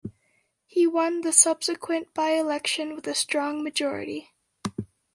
He won the subsequent by-election with a strong majority.